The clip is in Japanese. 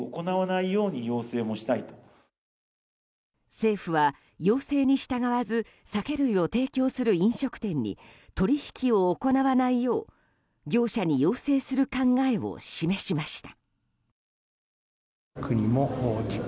政府は、要請に従わず酒類を提供する飲食店に取引を行わないよう、業者に要請する考えを示しました。